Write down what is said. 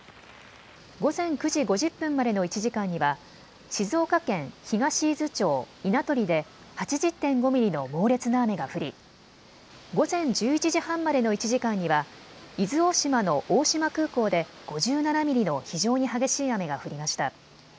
午前９時５０分までの１時間には静岡県東伊豆町稲取で８０．５ミリの猛烈な雨が降り午前１１時半までの１時間には伊豆大島の大島空港で５７ミリの非常に激しい雨が降りました。